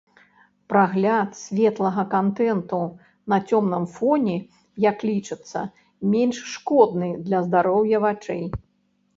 Прагляд светлага кантэнту на цёмным фоне, як лічыцца, менш шкодны для здароўя вачэй.